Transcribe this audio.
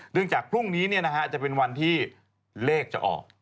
เนื่องจากพรุ่งนี้เนี่ยนะฮะจะเป็นวันที่เลขจะออก